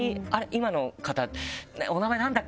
今の方。